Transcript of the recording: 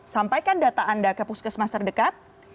sampaikan data anda ke puskesmas terdekat